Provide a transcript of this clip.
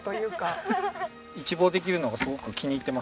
一望できるのがすごく気に入ってます。